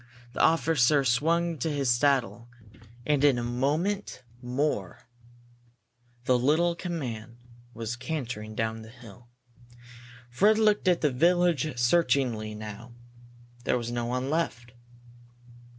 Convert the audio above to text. The officer swung to his saddle and in a minute more the little command was cantering down the hill. Fred looked at the village searchingly now. There was no one left.